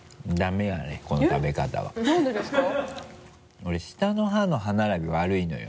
俺下の歯の歯並び悪いのよ。